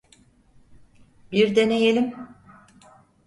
Bir deneyelim.